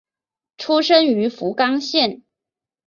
出身于福冈县。